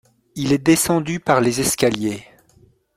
Il est descendu par les escaliers.